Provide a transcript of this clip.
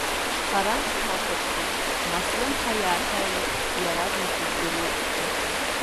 Харантә снахәаԥшит, ма слымҳа иааҭаҩит, иаразнак издыруеит.